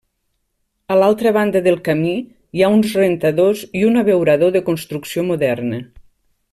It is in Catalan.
A l'altra banda del camí hi ha uns rentadors i un abeurador de construcció moderna.